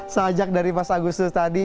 seajak dari mas agus tadi